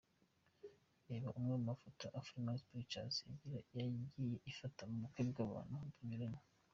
Reba amwe mu mafoto Afrifame Pictures yagiye ifata mu bukwe bw'abantu banyuranye.